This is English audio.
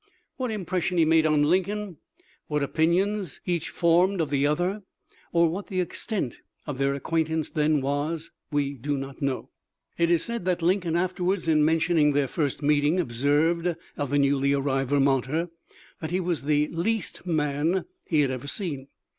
What impression he made on Lincoln, what opin ions each formed of the other, or what the extent of their acquaintance then was, we do not know. It is said that Lincoln afterwards in mentioning their first meeting observed of the newly arrived Ver monter that he was the " least man he had ever seen."